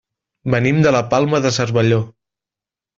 Venim de la Palma de Cervelló.